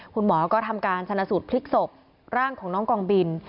คุณหมอก็ทำการชนะสูตรพลิกศพร่างของน้องกองบิน